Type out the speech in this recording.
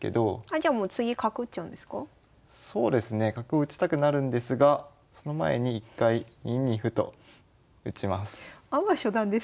じゃあもうそうですね角を打ちたくなるんですがその前に一回２二歩と打ちます。